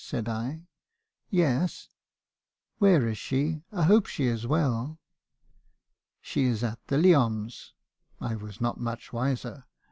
said I. "'Yes.' " 'Where is she? I hope she is well.' "' She is at the Leoms (I was not much wiser).